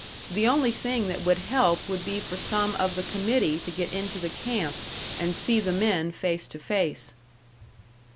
The only thing that would help would be for some of the committee to get into the camp and see the men face to face.